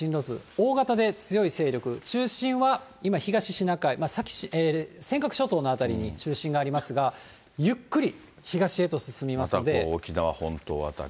大型で強い勢力、中心は今、東シナ海、尖閣諸島の辺りに中心がありますが、またこう、沖縄本島辺り。